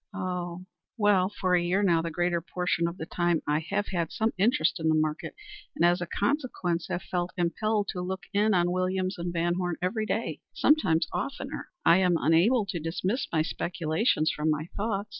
"Oh." "For a year now, the greater portion of the time, I have had some interest in the market, and as a consequence, have felt impelled to look in on Williams and VanHorne every day sometimes oftener. I am unable to dismiss my speculations from my thoughts.